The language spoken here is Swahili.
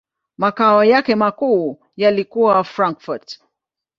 Makao yake makuu yalikuwa Frankfurt.